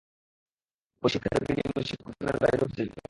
ঐ শিক্ষার বিনিময়ে শিক্ষকগণেরও দারিদ্র্য ঘুচে যাবে।